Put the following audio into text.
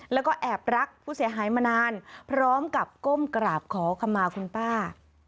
แล้วก็แอบรักผู้เสียหายมานานพร้อมกับก้มกราบขอขมาคุณป้า